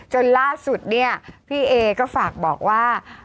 จนล่าสุดเนี่ยพี่เอก็ฝากบอกว่า